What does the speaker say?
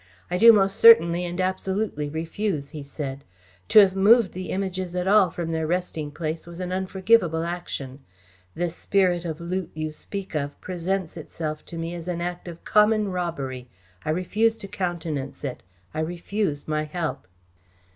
"I do most certainly and absolutely refuse," he said. "To have removed the Images at all from their resting place was an unforgivable action. This spirit of loot you speak of presents itself to me as an act of common robbery. I refuse to countenance it. I refuse my help."